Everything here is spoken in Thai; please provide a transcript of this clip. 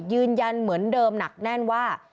ยืนยันเหมือนเดิมหนักแน่นว่า